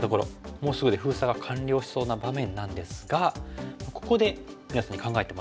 もうすぐで封鎖が完了しそうな場面なんですがここで皆さんに考えてもらいたいです。